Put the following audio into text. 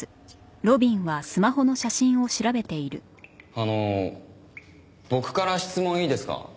あの僕から質問いいですか？